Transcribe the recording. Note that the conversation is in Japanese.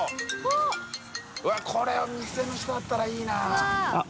Δこれは店の人だったらいいな。